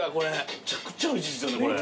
めちゃくちゃおいしいっすよねこれ。